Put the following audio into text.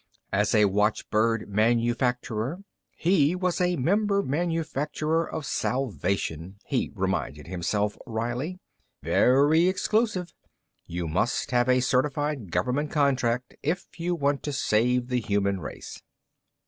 As a watchbird manufacturer, he was a member manufacturer of salvation, he reminded himself wryly. Very exclusive. You must have a certified government contract if you want to save the human race.